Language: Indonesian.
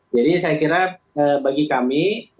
jadi saya kira bagi kami